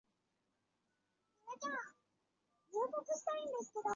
札木合。